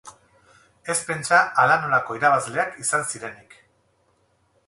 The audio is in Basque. Ez pentsa halanolako irabazleak izan zirenik.